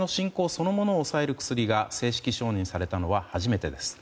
そのものを抑える薬が正式承認されたのは初めてです。